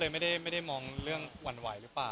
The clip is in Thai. ไม่ได้มองเรื่องวไม่รึเปล่า